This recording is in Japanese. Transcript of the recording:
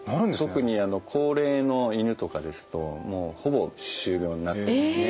特にあの高齢の犬とかですともうほぼ歯周病になっていますね。